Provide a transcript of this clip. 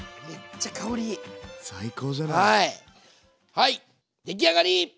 はい出来上がり！